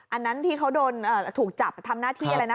อันนั้นที่เขาโดนถูกจับทำหน้าที่อะไรนะ